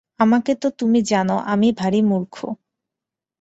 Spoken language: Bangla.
আমাকে তো তুমি জান, আমি ভারি মূর্খ।